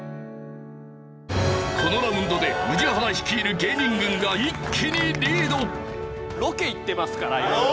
このラウンドで宇治原率いる芸人軍が一気にリード。